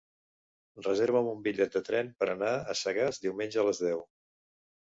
Reserva'm un bitllet de tren per anar a Sagàs diumenge a les deu.